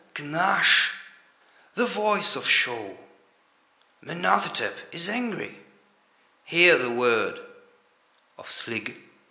Kynash"—"The voice of Sho"—"Mynarthitep is angry"—"Hear the word of Slig!"